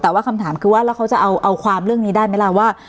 แต่ว่าคำถามคือว่าแล้วเขาจะเอาความเรื่องนี้ได้ไหมล่ะว่า